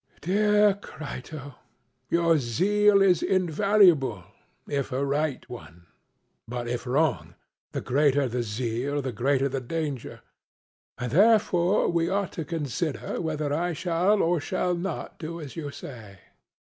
SOCRATES: Dear Crito, your zeal is invaluable, if a right one; but if wrong, the greater the zeal the greater the danger; and therefore we ought to consider whether I shall or shall not do as you say.